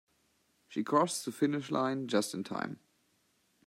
She crossed the finish line just in time.